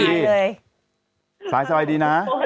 คุณไอ้สายสวัสดี